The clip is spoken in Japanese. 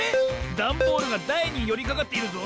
ダンボールがだいによりかかっているぞ。